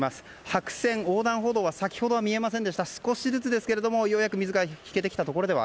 白線、横断歩道は先ほどは見えませんでしたが少しずつですけれどもようやく水が引けてきました。